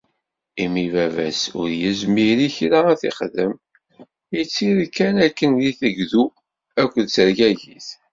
Imi baba-s ur yezmer i kra ad t-ixdem, ittir kan akken di teggdu akked tergagit.